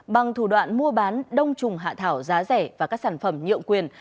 bằng thủ đoạn mua bán đông trùng hạ thảo giá rẻ và các sản phẩm nhượng quyền